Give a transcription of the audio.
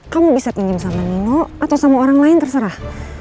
kamu bisa pinjam sama nino atau sama orang lain terserah